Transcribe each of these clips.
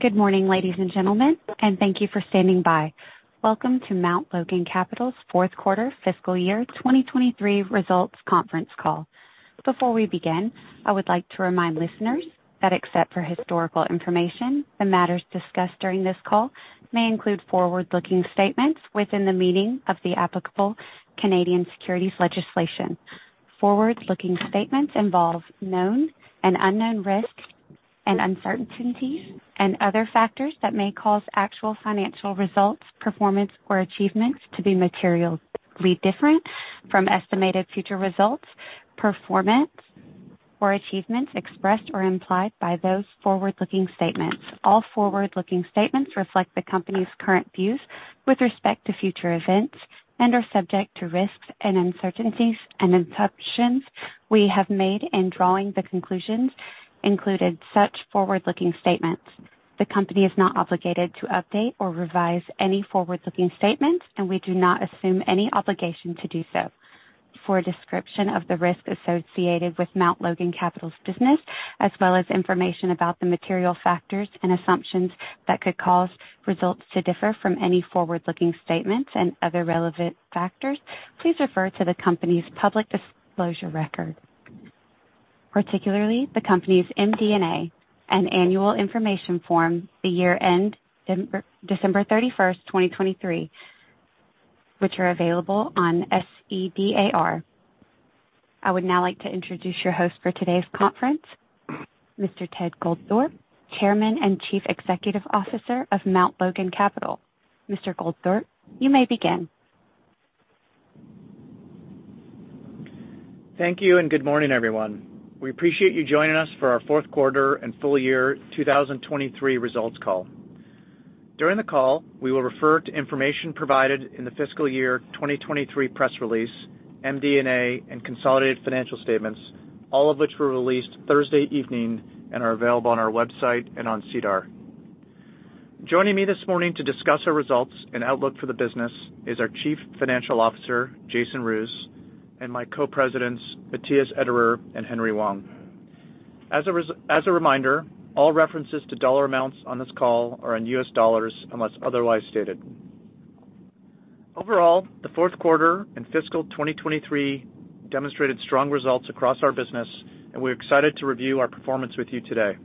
Good morning, ladies and gentlemen, and thank you for standing by. Welcome to Mount Logan Capital's fourth-quarter fiscal year 2023 results conference call. Before we begin, I would like to remind listeners that, except for historical information, the matters discussed during this call may include forward-looking statements within the meaning of the applicable Canadian securities legislation. Forward-looking statements involve known and unknown risks and uncertainties and other factors that may cause actual financial results, performance, or achievements to be materially different from estimated future results, performance, or achievements expressed or implied by those forward-looking statements. All forward-looking statements reflect the company's current views with respect to future events and are subject to risks and uncertainties and assumptions we have made in drawing the conclusions included such forward-looking statements. The company is not obligated to update or revise any forward-looking statements, and we do not assume any obligation to do so. For a description of the risks associated with Mount Logan Capital's business, as well as information about the material factors and assumptions that could cause results to differ from any forward-looking statements and other relevant factors, please refer to the company's public disclosure record, particularly the company's MD&A and Annual Information Form for the year-end, December 31st, 2023, which are available on SEDAR. I would now like to introduce your host for today's conference, Mr. Ted Goldthorpe, Chairman and Chief Executive Officer of Mount Logan Capital. Mr. Goldthorpe, you may begin. Thank you and good morning, everyone. We appreciate you joining us for our fourth-quarter and full year 2023 results call. During the call, we will refer to information provided in the fiscal year 2023 press release, MD&A, and consolidated financial statements, all of which were released Thursday evening and are available on our website and on SEDAR. Joining me this morning to discuss our results and outlook for the business is our Chief Financial Officer, Jason Roos, and my co-presidents, Matthias Ederer and Henry Wang. As a reminder, all references to dollar amounts on this call are in US dollars unless otherwise stated. Overall, the fourth quarter and fiscal 2023 demonstrated strong results across our business, and we're excited to review our performance with you today.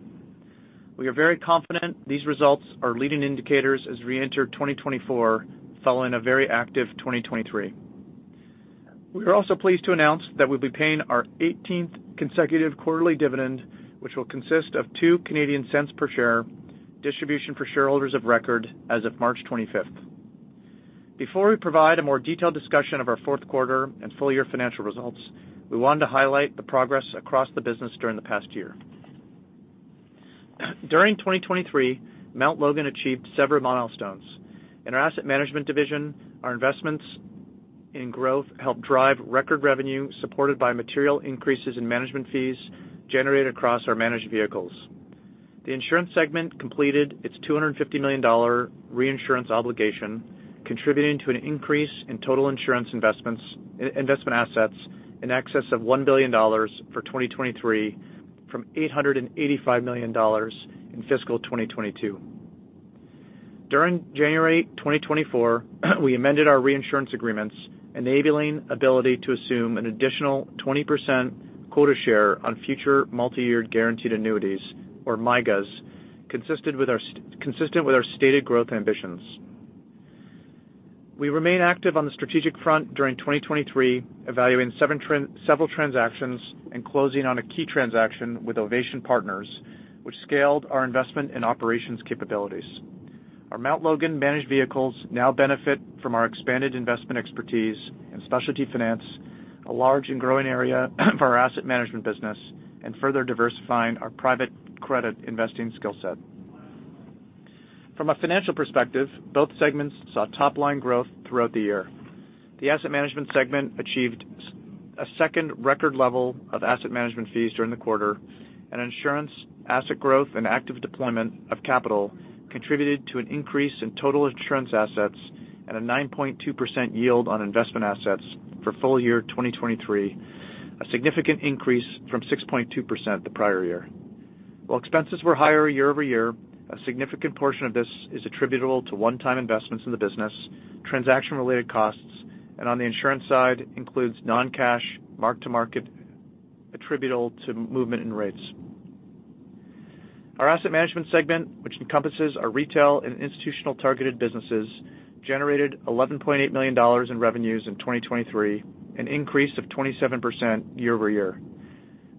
We are very confident these results are leading indicators as we enter 2024 following a very active 2023. We are also pleased to announce that we'll be paying our 18th consecutive quarterly dividend, which will consist of 0.02 per share, distribution for shareholders of record as of March 25th. Before we provide a more detailed discussion of our fourth quarter and full year financial results, we wanted to highlight the progress across the business during the past year. During 2023, Mount Logan achieved several milestones. In our asset management division, our investments in growth helped drive record revenue supported by material increases in management fees generated across our managed vehicles. The insurance segment completed its $250 million reinsurance obligation, contributing to an increase in total insurance investment assets in excess of $1 billion for 2023 from $885 million in fiscal 2022. During January 2024, we amended our reinsurance agreements, enabling Ability to assume an additional 20% quota share on future multi-year guaranteed annuities, or MIGAs, consistent with our stated growth ambitions. We remain active on the strategic front during 2023, evaluating several transactions and closing on a key transaction with Ovation Partners, which scaled our investment and operations capabilities. Our Mount Logan managed vehicles now benefit from our expanded investment expertise and specialty finance, a large and growing area of our asset management business, and further diversifying our private credit investing skill set. From a financial perspective, both segments saw top-line growth throughout the year. The asset management segment achieved a second record level of asset management fees during the quarter, and insurance asset growth and active deployment of capital contributed to an increase in total insurance assets and a 9.2% yield on investment assets for full year 2023, a significant increase from 6.2% the prior year. While expenses were higher year-over-year, a significant portion of this is attributable to one-time investments in the business, transaction-related costs, and on the insurance side includes non-cash, mark-to-market attributable to movement in rates. Our asset management segment, which encompasses our retail and institutional targeted businesses, generated $11.8 million in revenues in 2023, an increase of 27% year-over-year.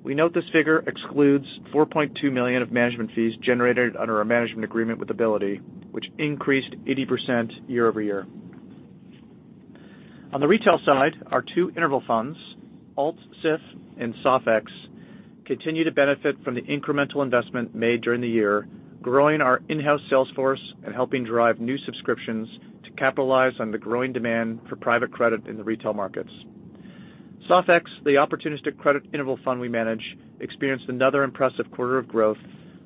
We note this figure excludes $4.2 million of management fees generated under our management agreement with Ability, which increased 80% year-over-year. On the retail side, our two interval funds, ACIF, and OCIF, continue to benefit from the incremental investment made during the year, growing our in-house sales force and helping drive new subscriptions to capitalize on the growing demand for private credit in the retail markets. OCIF, the Opportunistic Credit Interval Fund we manage, experienced another impressive quarter of growth,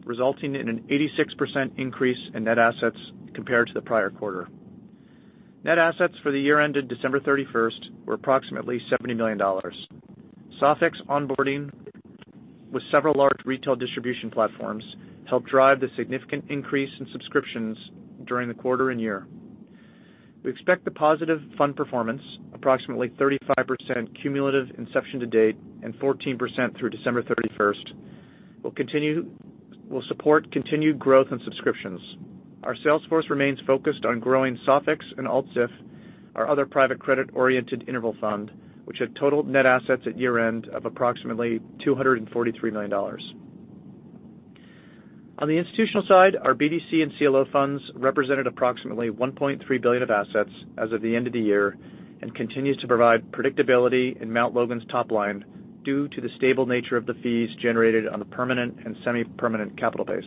resulting in an 86% increase in net assets compared to the prior quarter. Net assets for the year-ended December 31st were approximately $70 million. OCIF onboarding with several large retail distribution platforms helped drive the significant increase in subscriptions during the quarter and year. We expect the positive fund performance, approximately 35% cumulative inception to date and 14% through December 31st, will support continued growth in subscriptions. Our sales force remains focused on growing SOFEX and ALTS, SIF, our other private credit-oriented interval fund, which had totaled net assets at year-end of approximately $243 million. On the institutional side, our BDC and CLO funds represented approximately $1.3 billion of assets as of the end of the year and continue to provide predictability in Mount Logan's top-line due to the stable nature of the fees generated on the permanent and semi-permanent capital base.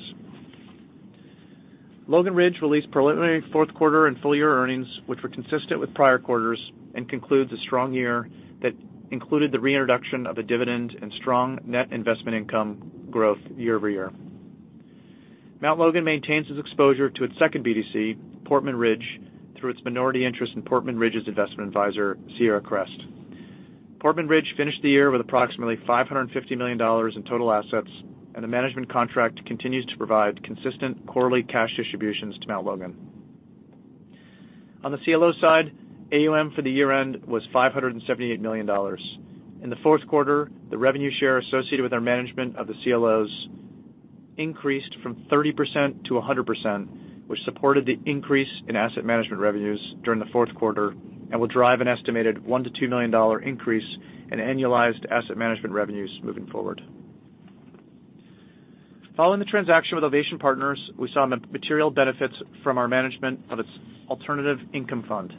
Logan Ridge released preliminary fourth quarter and full year earnings, which were consistent with prior quarters and conclude the strong year that included the reintroduction of a dividend and strong net investment income growth year-over-year. Mount Logan maintains its exposure to its second BDC, Portman Ridge, through its minority interest in Portman Ridge's investment advisor, Sierra Crest. Portman Ridge finished the year with approximately $550 million in total assets, and the management contract continues to provide consistent quarterly cash distributions to Mount Logan. On the CLO side, AUM for the year-end was $578 million. In the fourth quarter, the revenue share associated with our management of the CLOs increased from 30%-100%, which supported the increase in asset management revenues during the fourth quarter and will drive an estimated $1-$2 million increase in annualized asset management revenues moving forward. Following the transaction with Ovation Partners, we saw material benefits from our management of its Alternative Income Fund.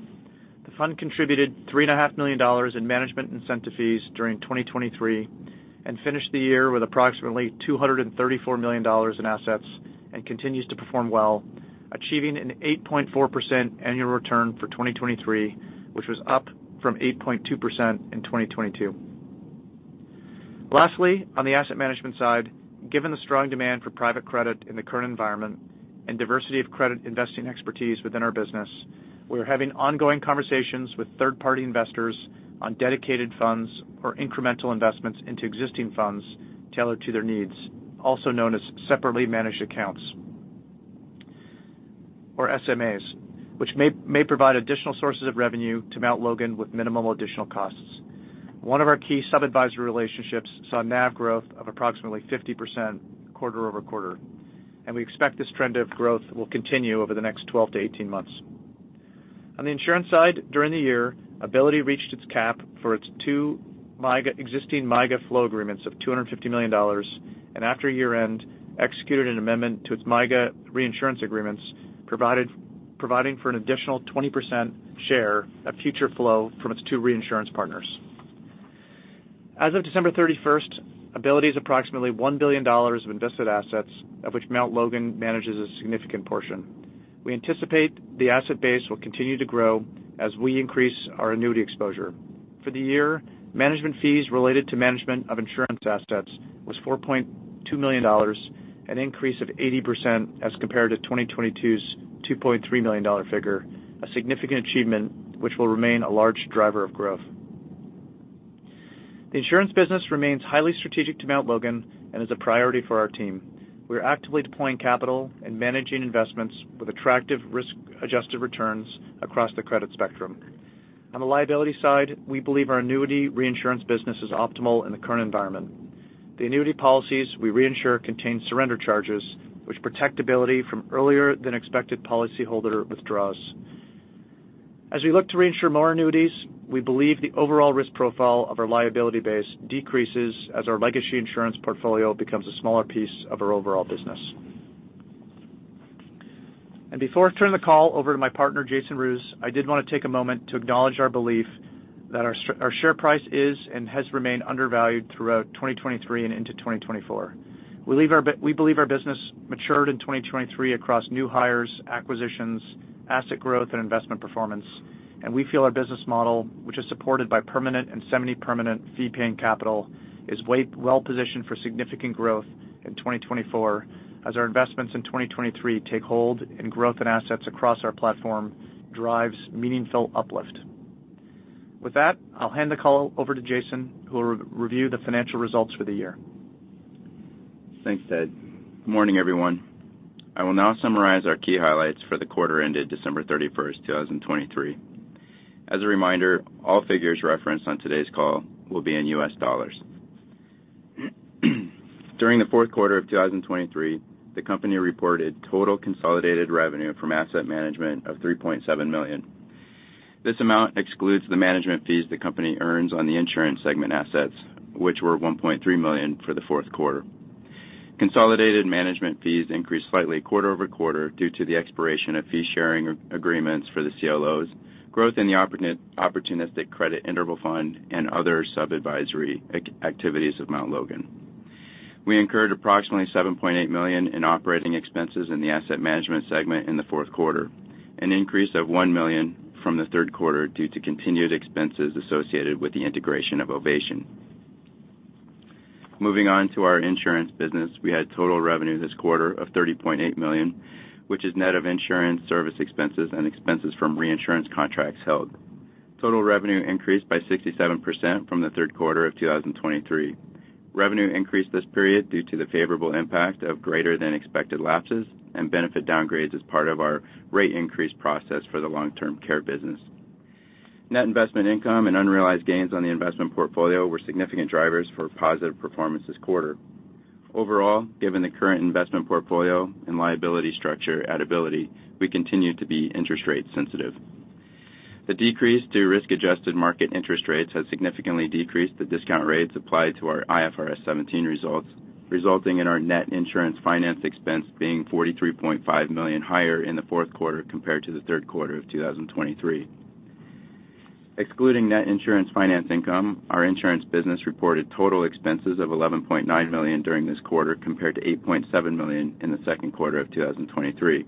The fund contributed $3.5 million in management incentive fees during 2023 and finished the year with approximately $234 million in assets and continues to perform well, achieving an 8.4% annual return for 2023, which was up from 8.2% in 2022. Lastly, on the asset management side, given the strong demand for private credit in the current environment and diversity of credit investing expertise within our business, we are having ongoing conversations with third-party investors on dedicated funds or incremental investments into existing funds tailored to their needs, also known as separately managed accounts or SMAs, which may provide additional sources of revenue to Mount Logan with minimal additional costs. One of our key sub-advisory relationships saw NAV growth of approximately 50% quarter-over-quarter, and we expect this trend of growth will continue over the next 12-18 months. On the insurance side, during the year, Ability reached its cap for its two existing MIGA flow agreements of $250 million and, after year-end, executed an amendment to its MIGA reinsurance agreements, providing for an additional 20% share of future flow from its two reinsurance partners. As of December 31st, Ability has approximately $1 billion of invested assets, of which Mount Logan manages a significant portion. We anticipate the asset base will continue to grow as we increase our annuity exposure. For the year, management fees related to management of insurance assets was $4.2 million, an increase of 80% as compared to 2022's $2.3 million figure, a significant achievement which will remain a large driver of growth. The insurance business remains highly strategic to Mount Logan and is a priority for our team. We are actively deploying capital and managing investments with attractive risk-adjusted returns across the credit spectrum. On the liability side, we believe our annuity reinsurance business is optimal in the current environment. The annuity policies we reinsure contain surrender charges, which protect Ability from earlier-than-expected policyholder withdrawals. As we look to reinsure more annuities, we believe the overall risk profile of our liability base decreases as our legacy insurance portfolio becomes a smaller piece of our overall business. Before I turn the call over to my partner, Jason Roos, I did want to take a moment to acknowledge our belief that our share price is and has remained undervalued throughout 2023 and into 2024. We believe our business matured in 2023 across new hires, acquisitions, asset growth, and investment performance, and we feel our business model, which is supported by permanent and semi-permanent fee-paying capital, is well-positioned for significant growth in 2024 as our investments in 2023 take hold and growth in assets across our platform drives meaningful uplift. With that, I'll hand the call over to Jason, who will review the financial results for the year. Thanks, Ted. Good morning, everyone. I will now summarize our key highlights for the quarter ended December 31st, 2023. As a reminder, all figures referenced on today's call will be in U.S. dollars. During the fourth quarter of 2023, the company reported total consolidated revenue from asset management of $3.7 million. This amount excludes the management fees the company earns on the insurance segment assets, which were $1.3 million for the fourth quarter. Consolidated management fees increased slightly quarter-over-quarter due to the expiration of fee-sharing agreements for the CLOs, growth in the opportunistic credit interval fund, and other sub-advisory activities of Mount Logan. We incurred approximately $7.8 million in operating expenses in the asset management segment in the fourth quarter, an increase of $1 million from the third quarter due to continued expenses associated with the integration of Ovation. Moving on to our insurance business, we had total revenue this quarter of $30.8 million, which is net of insurance service expenses and expenses from reinsurance contracts held. Total revenue increased by 67% from the third quarter of 2023. Revenue increased this period due to the favorable impact of greater-than-expected lapses and benefit downgrades as part of our rate increase process for the long-term care business. Net investment income and unrealized gains on the investment portfolio were significant drivers for positive performance this quarter. Overall, given the current investment portfolio and liability structure at Ability, we continue to be interest rate sensitive. The decrease to risk-adjusted market interest rates has significantly decreased the discount rates applied to our IFRS 17 results, resulting in our net insurance finance expense being $43.5 million higher in the fourth quarter compared to the third quarter of 2023. Excluding net insurance finance income, our insurance business reported total expenses of $11.9 million during this quarter compared to $8.7 million in the second quarter of 2023.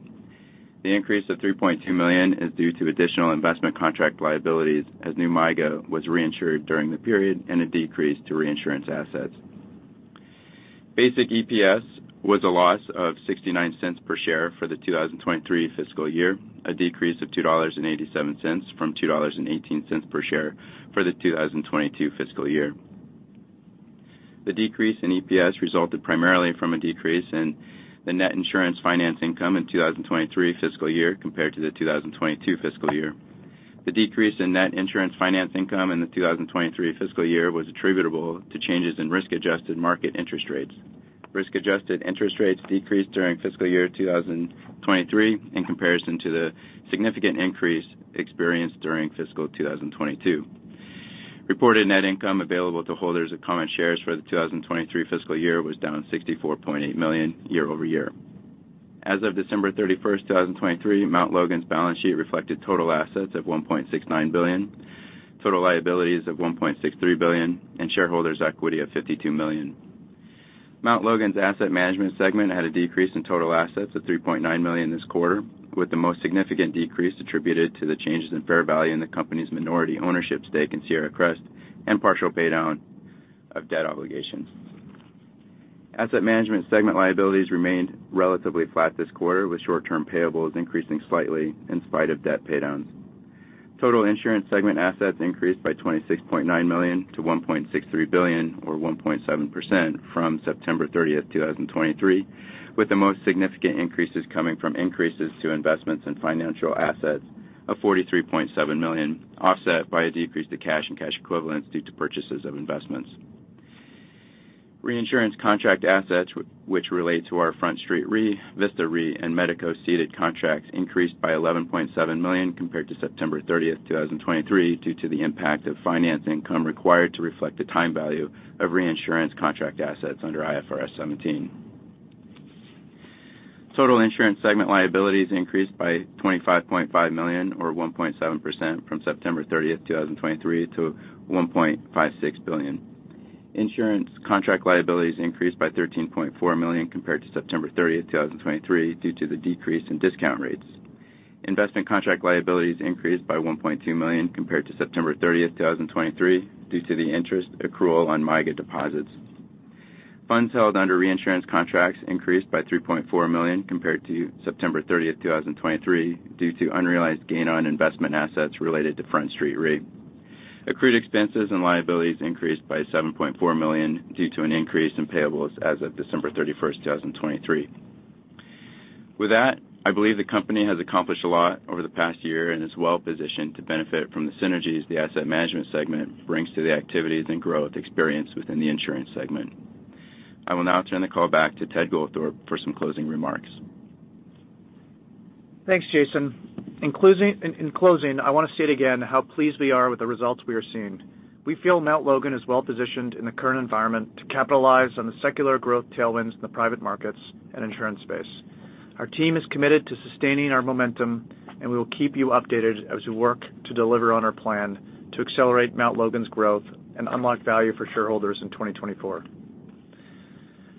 The increase of $3.2 million is due to additional investment contract liabilities as new MIGA was reinsured during the period and a decrease to reinsurance assets. Basic EPS was a loss of 0.69 per share for the 2023 fiscal year, a decrease of $2.87 from $2.18 per share for the 2022 fiscal year. The decrease in EPS resulted primarily from a decrease in the net insurance finance income in 2023 fiscal year compared to the 2022 fiscal year. The decrease in net insurance finance income in the 2023 fiscal year was attributable to changes in risk-adjusted market interest rates. Risk-adjusted interest rates decreased during fiscal year 2023 in comparison to the significant increase experienced during fiscal 2022. Reported net income available to holders of common shares for the 2023 fiscal year was down $64.8 million year-over-year. As of December 31st, 2023, Mount Logan's balance sheet reflected total assets of $1.69 billion, total liabilities of $1.63 billion, and shareholders' equity of $52 million. Mount Logan's asset management segment had a decrease in total assets of $3.9 million this quarter, with the most significant decrease attributed to the changes in fair value in the company's minority ownership stake in Sierra Crest and partial paydown of debt obligations. Asset management segment liabilities remained relatively flat this quarter, with short-term payables increasing slightly in spite of debt paydowns. Total insurance segment assets increased by $26.9 million to $1.63 billion, or 1.7%, from September 30th, 2023, with the most significant increases coming from increases to investments in financial assets of $43.7 million, offset by a decrease to cash and cash equivalents due to purchases of investments. Reinsurance contract assets, which relate to our Front Street Re, Vista Re, and Medico ceded contracts, increased by $11.7 million compared to September 30th, 2023, due to the impact of finance income required to reflect the time value of reinsurance contract assets under IFRS 17. Total insurance segment liabilities increased by $25.5 million, or 1.7%, from September 30th, 2023, to $1.56 billion. Insurance contract liabilities increased by $13.4 million compared to September 30th, 2023, due to the decrease in discount rates. Investment contract liabilities increased by $1.2 million compared to September 30th, 2023, due to the interest accrual on MIGA deposits. Funds held under reinsurance contracts increased by $3.4 million compared to September 30th, 2023, due to unrealized gain on investment assets related to Front Street Re. Accrued expenses and liabilities increased by $7.4 million due to an increase in payables as of December 31st, 2023. With that, I believe the company has accomplished a lot over the past year and is well-positioned to benefit from the synergies the asset management segment brings to the activities and growth experienced within the insurance segment. I will now turn the call back to Ted Goldthorpe for some closing remarks. Thanks, Jason. In closing, I want to state again how pleased we are with the results we are seeing. We feel Mount Logan is well-positioned in the current environment to capitalize on the secular growth tailwinds in the private markets and insurance space. Our team is committed to sustaining our momentum, and we will keep you updated as we work to deliver on our plan to accelerate Mount Logan's growth and unlock value for shareholders in 2024.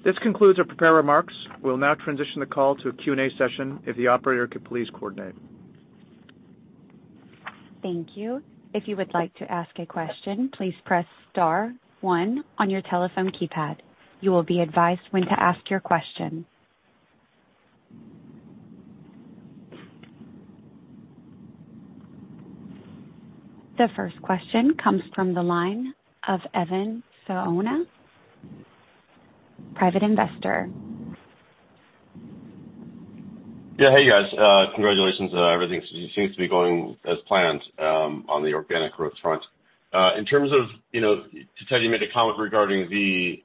This concludes our prepared remarks. We will now transition the call to a Q&A session if the operator could please coordinate. Thank you. If you would like to ask a question, please press star one on your telephone keypad. You will be advised when to ask your question. The first question comes from the line of Evan Saona, private investor. Yeah, hey, guys. Congratulations. Everything seems to be going as planned on the organic growth front. In terms of Ted, you made a comment regarding the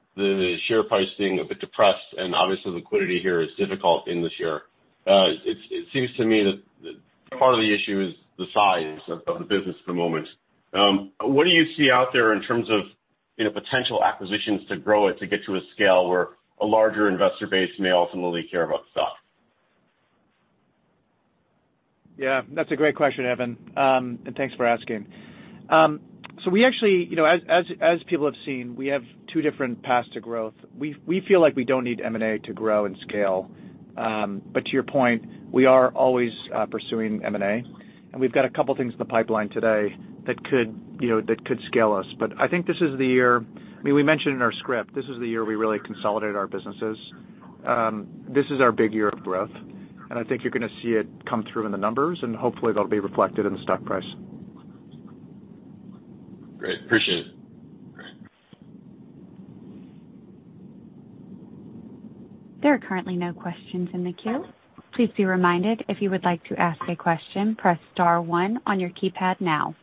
share price being a bit depressed and obviously liquidity here is difficult in this year, it seems to me that part of the issue is the size of the business at the moment. What do you see out there in terms of potential acquisitions to grow it to get to a scale where a larger investor base may ultimately care about stock? Yeah, that's a great question, Evan, and thanks for asking. So we actually as people have seen, we have two different paths to growth. We feel like we don't need M&A to grow and scale, but to your point, we are always pursuing M&A, and we've got a couple of things in the pipeline today that could scale us. But I think this is the year I mean, we mentioned in our script, this is the year we really consolidate our businesses. This is our big year of growth, and I think you're going to see it come through in the numbers, and hopefully, that'll be reflected in the stock price. Great. Appreciate it. There are currently no questions in the queue. Please be reminded, if you would like to ask a question, press star one on your keypad now.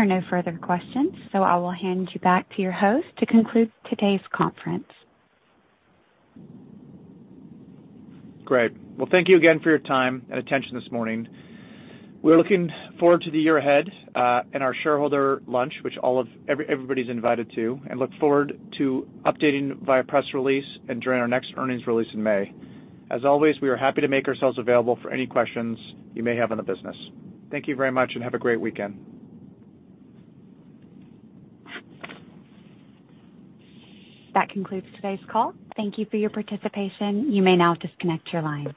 There are no further questions, so I will hand you back to your host to conclude today's conference. Great. Well, thank you again for your time and attention this morning. We're looking forward to the year ahead and our shareholder lunch, which everybody's invited to, and look forward to updating via press release and during our next earnings release in May. As always, we are happy to make ourselves available for any questions you may have on the business. Thank you very much and have a great weekend. That concludes today's call. Thank you for your participation. You may now disconnect your line.